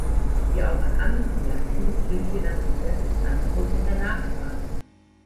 Wie auch an anderen Märkten gilt hier das Gesetz des Angebots und der Nachfrage.